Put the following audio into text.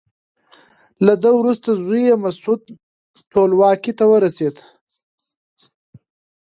له ده وروسته زوی یې مسعود ټولواکۍ ته ورسېد.